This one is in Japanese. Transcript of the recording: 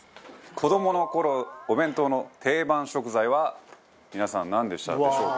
子どもの頃、お弁当の定番食材は皆さん、なんでしたでしょうか？